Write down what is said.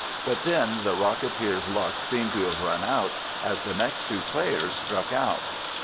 But then the Rocketeers' luck seemed to have run out as the next two players struck out.